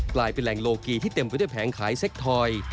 กลายเป็นแหล่งโลกีที่เต็มไปด้วยแผงขายเซ็กทอย